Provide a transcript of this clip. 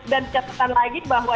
dan catatan lagi bahwa